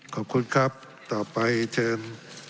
ขอบคุณครับต่อไปเชิญ